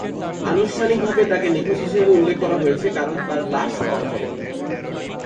আনুষ্ঠানিকভাবে তাকে নিখোঁজ হিসেবে উল্লেখ করা হয়েছে, কারণ তার লাশ পাওয়া যায়নি।